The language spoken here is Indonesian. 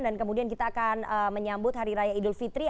dan kemudian kita akan menyambut hari raya idul fitri